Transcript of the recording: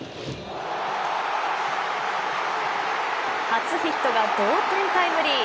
初ヒットが同点タイムリー。